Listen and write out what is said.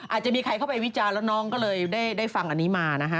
อาจจะมีใครเข้าไปวิจารณ์แล้วน้องเขาได้ฟังแบบนี้มา